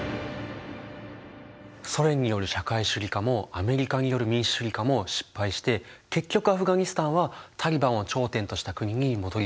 ソ連による社会主義化もアメリカによる民主主義化も失敗して結局アフガニスタンはタリバンを頂点とした国に戻りつつあるんだね。